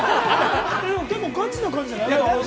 結構ガチな感じじゃない？